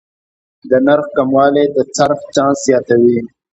د نرخ کموالی د خرڅ چانس زیاتوي.